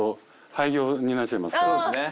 そうっすね。